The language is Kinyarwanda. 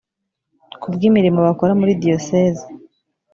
kubw imirimo bakora muri diyoseze